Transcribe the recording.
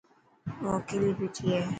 او اڪيلي ٻيٺي هي.